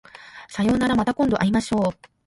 さようならまた今度会いましょう